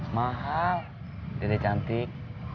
mahal jadi cantik